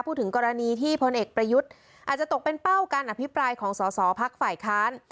พูดถึงกรณีที่พลเอกประยุทธ์อาจจะตกเป็นเป้าการอภิปรายของสอสอพักฝ่ายค้าน